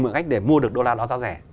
một cách để mua được đô la đó giá rẻ